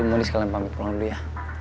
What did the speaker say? aku sama moni sekalian pamit pulang dulu ya